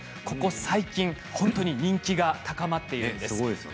ここ最近人気が高まっているんです。